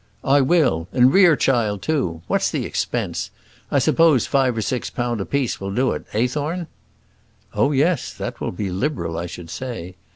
"I will; and Rerechild too. What's the expense? I suppose five or six pound apiece will do it; eh, Thorne?" "Oh, yes; that will be liberal I should say.